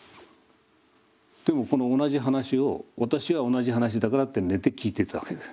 でもこの同じ話を私は同じ話だからって寝て聞いてたわけです。